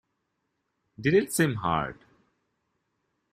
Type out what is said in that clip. Did it seem hard?